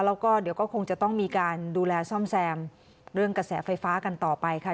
แล้วก็เดี๋ยวก็คงจะต้องมีการดูแลซ่อมแซมเรื่องกระแสไฟฟ้ากันต่อไปค่ะ